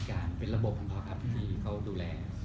การเป็นระบบของเขาครับที่เขาดูแล